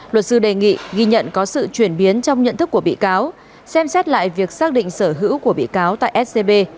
luật sư đề nghị ghi nhận có sự chuyển biến trong nhận thức của bị cáo xem xét lại việc xác định sở hữu của bị cáo tại scb